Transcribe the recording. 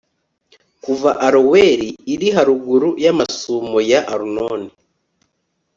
kuva aroweri iri haruguru y'amasumo ya arunoni